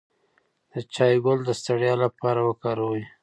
د چای ګل د ستړیا لپاره وکاروئ